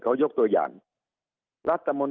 สุดท้ายก็ต้านไม่อยู่